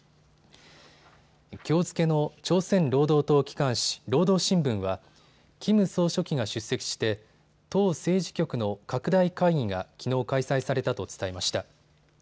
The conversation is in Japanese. きょう付けの朝鮮労働党機関紙、労働新聞はキム総書記が出席して党政治局の拡大会議がきのう開催されたと伝えました。